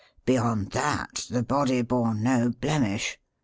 Beyond that, the body bore no blemish.